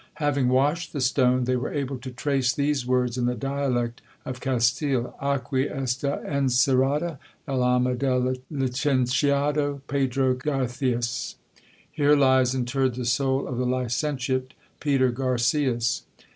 Having washed the stone, they were able to trace these words in the dialect of Castille ; j{qiii esta encerrada el alma del licenciado Pedro Garcias. " Here lies interred the soul of the licentiate Peter Garcias."